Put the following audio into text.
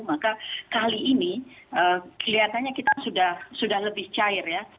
maka kali ini kelihatannya kita sudah lebih cair ya